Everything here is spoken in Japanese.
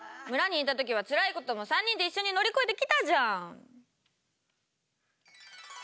村にいた時はつらいことも３人で一緒に乗り越えてきたじゃん！